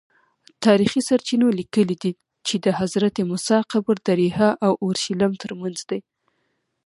تاریخي سرچینو لیکلي چې د حضرت موسی قبر د ریحا او اورشلیم ترمنځ دی.